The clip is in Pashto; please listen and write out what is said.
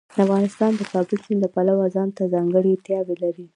افغانستان د کابل سیند له پلوه ځانته ځانګړتیاوې لري.